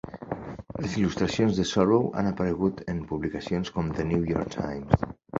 Les il·lustracions de Sorrow han aparegut en publicacions com The New York Times.